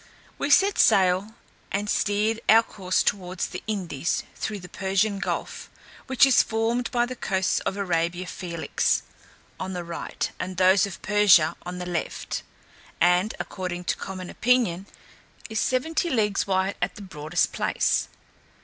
We set sail, and steered our course towards the Indies, through the Persian gulf, which is formed by the coasts of Arabia Felix on the right, and by those of Persia on the left, and, according to common opinion is seventy leagues wide at the broadest place.